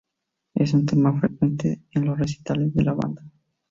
Es un tema frecuente en los recitales de la banda.